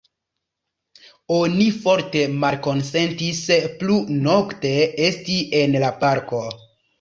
Oni forte malkonsentis plu nokte esti en la parko.